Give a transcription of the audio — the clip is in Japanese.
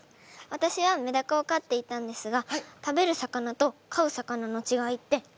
わたしはメダカを飼っていたんですが食べる魚と飼う魚の違いって何ですか？